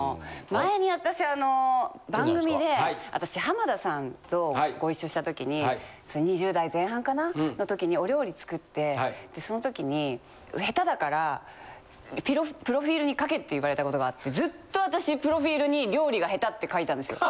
前に私あの番組で私浜田さんとご一緒した時に２０代前半かなの時にお料理作ってその時に。って言われたことがあってずっと私プロフィールに料理が下手って書いてあるんですよ。